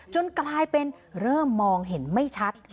กลายเป็นเริ่มมองเห็นไม่ชัด